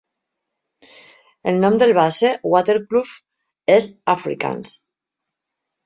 El nom del base, "Waterkloof", és afrikaans.